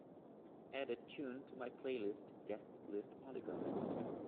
Add a tune to my playlist Guest List Polygon